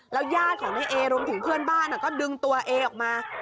ญาติของในเอรวมถึงเพื่อนบ้านก็ดึงตัวเอออกมา